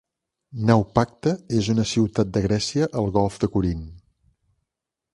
Naupacte és una ciutat de Grècia al Golf de Corint.